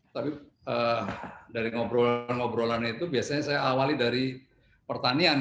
tapi dari ngobrolan ngobrolannya itu biasanya saya awali dari pertanian